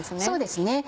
そうですね。